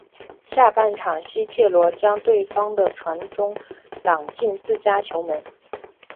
下半场西切罗将对方的传中挡进自家球门。